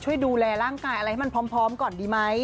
ช่วยดูแลร่างกายอะไรให้มันพร้อมก่อนดีไหม